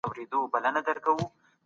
ځینې یادونه یې بېرته خوندي شول.